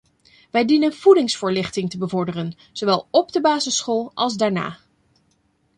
Wij dienen voedingsvoorlichting te bevorderen, zowel op de basisschool als daarna.